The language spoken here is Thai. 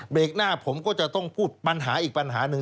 หน้าผมก็จะต้องพูดปัญหาอีกปัญหาหนึ่ง